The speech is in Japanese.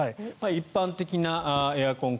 一般的なエアコン